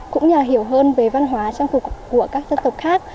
cũng nhờ hiểu hơn về văn hóa trang phục của các dân tộc khác